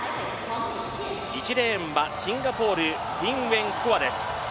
１レーンはシンガポールティンウェン・クアです。